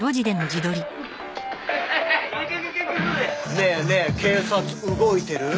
「ねえねえ警察動いてる？」